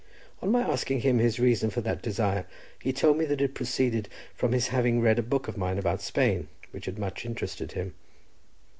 On my asking him his reason for that desire, he told me that it proceeded from his having read a book of mine about Spain, which had much interested him.